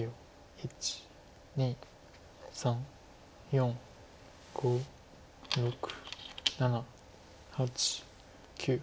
１２３４５６７８９。